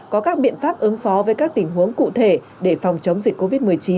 có các biện pháp ứng phó với các tình huống cụ thể để phòng chống dịch covid một mươi chín